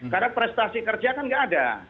karena prestasi kerja kan nggak ada